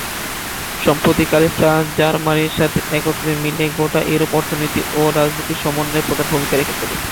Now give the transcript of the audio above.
সাম্প্রতিককালে ফ্রান্স, জার্মানির সাথে একত্রে মিলে গোটা ইউরোপের অর্থনীতি ও ও রাজনীতির সমন্বয়ে প্রধান ভূমিকা রেখে চলেছে।